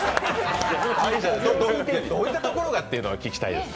どういったところがというのが聞きたいですね。